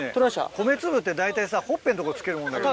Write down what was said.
米粒って大体さ、ほっぺの所につけるもんだけど。